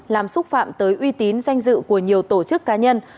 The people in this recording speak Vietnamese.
làm xúc phạm tới uy tín danh dự của nhiều tổ chức cá nhân